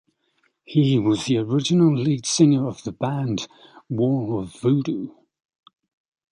He was the original lead singer of the band Wall of Voodoo.